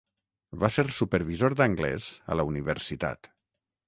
Va ser supervisor d'anglès a la Universitat.